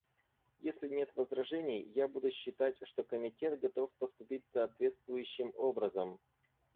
Если нет возражений, я буду считать, что Комитет готов поступить соответствующим образом.